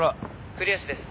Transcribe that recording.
「栗橋です。